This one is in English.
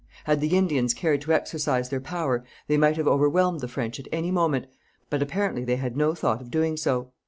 Had the Indians cared to exercise their power, they might have overwhelmed the French at any moment, but apparently they had no thought of doing so.